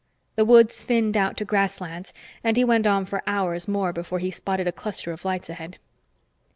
The woods thinned out to grasslands, and he went on for hours more before he spotted a cluster of lights ahead.